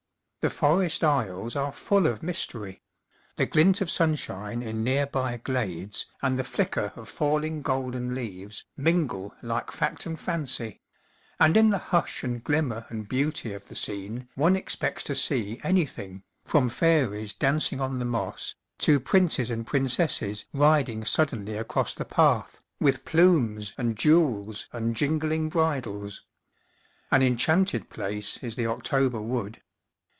The forest aisles are full of mystery; the glint of sunshine in near by glades and the flicker of falling golden leaves mingle like fact and fancy; and in the hush and glimmer and beauty of the scene one expects to see anything, from fairies dancing on the moss, to princes and princesses riding suddenly across the path, with plumes and jewels and jingling bri dles. An enchanted place is the October wood.